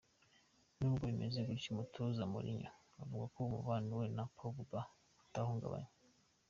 Nubwo bimeze gutyo, umutoza Mourinho avuga ko umubano we na Pogba utahungabanye.